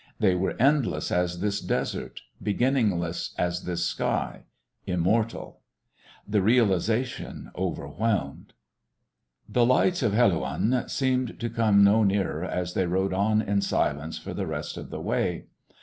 They were endless as this desert, beginningless as this sky ... immortal. The realisation overwhelmed.... The lights of Helouan seemed to come no nearer as they rode on in silence for the rest of the way.